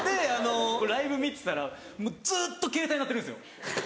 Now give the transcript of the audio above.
ライブ見てたらもうずっとケータイ鳴ってるんですよ。